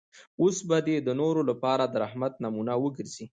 اوس به دی د نورو لپاره د رحمت نمونه وګرځي.